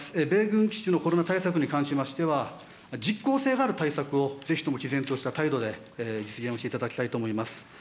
米軍基地のコロナ対策に関しましては、実効性がある対策をぜひとも、きぜんとした態度で、実現をしていただきたいと思います。